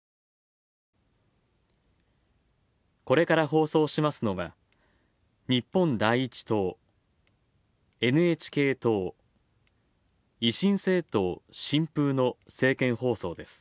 これから放送しますのは、日本第一党ＮＨＫ党維新政党・新風の政見放送です。